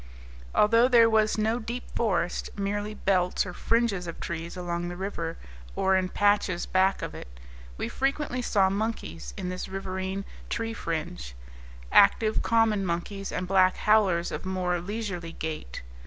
Although there was no deep forest, merely belts or fringes of trees along the river, or in patches back of it, we frequently saw monkeys in this riverine tree fringe active common monkeys and black howlers of more leisurely gait.